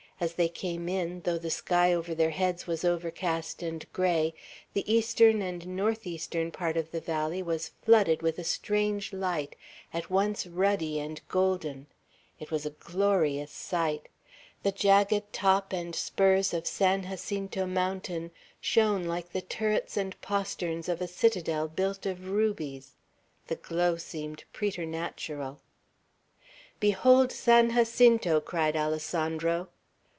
As they came in, though the sky over their heads was overcast and gray, the eastern and northeastern part of the valley was flooded with a strange light, at once ruddy and golden. It was a glorious sight. The jagged top and spurs of San Jacinto Mountain shone like the turrets and posterns of a citadel built of rubies. The glow seemed preternatural. "Behold San Jacinto!" cried Alessandro.